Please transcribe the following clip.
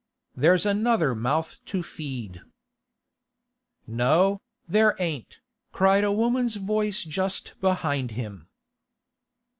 There's another mouth to feed.' 'No, there ain't,' cried a woman's voice just behind him.